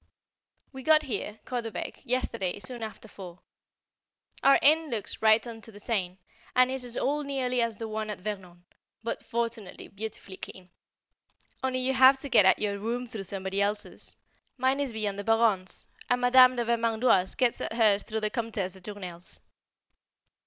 We got here (Caudebec) yesterday soon after four. Our inn looks right on to the Seine, and is as old nearly as the one at Vernon, but fortunately beautifully clean. Only you have to get at your room through somebody else's. Mine is beyond the Baronne's and Madame de Vermandoise gets at hers through the Comtesse de Tournelle's.